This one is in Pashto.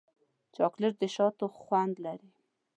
چاکلېټ د شاتو خوند لري.